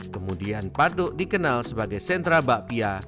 kemudian paduk dikenal sebagai sentra bakpia